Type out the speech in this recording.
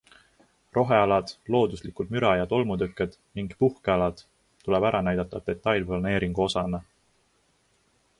Rohealad, looduslikud müra- ja tolmutõkked ning puhkealad tuleb ära näidata detailplaneeringu osana.